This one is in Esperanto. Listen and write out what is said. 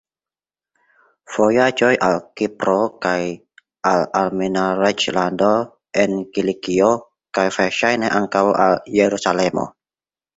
Vojaĝoj al Kipro kaj al Armena reĝlando en Kilikio, kaj verŝajne ankaŭ al Jerusalemo.